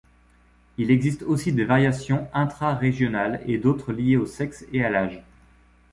Il existe aussi des variations intrarégionales et d'autres liées au sexe et à l'âge.